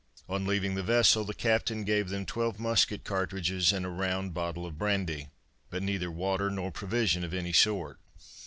On leaving the vessel, the captain gave them twelve musket cartridges and a round bottle of brandy, but neither water nor provision of any sort.